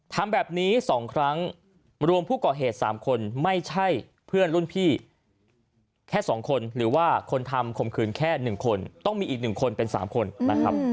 ทำแบบนี้๒ครั้งรวมผู้ก่อเหตุ๓คนไม่ใช่เพื่อนรุ่นพี่แค่๒คนหรือว่าคนทำข่มขืนแค่๑คนต้องมีอีก๑คนเป็น๓คนนะครับ